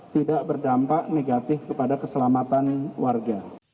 tidak berdampak negatif kepada keselamatan warga